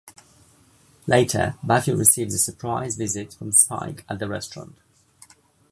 Later, Buffy receives a surprise visit from Spike at the restaurant.